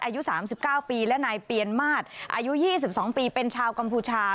อายุสามสิบเก้าปีและนายเปียนมาตรอายุยี่สิบสองปีเป็นชาวกัมพูชา